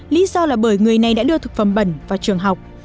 lý do là bởi người này đã đưa thực phẩm bẩn vào trường học